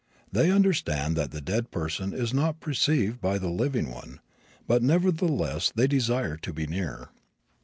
They understand that the dead person is not perceived by the living one, but nevertheless they desire to be near.